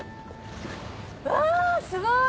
うわすごい！